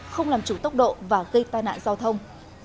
không làm chủ tốc độ và gây tai nạn giao thông